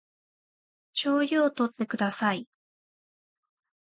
醤油をとってください